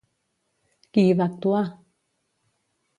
Qui hi va actuar?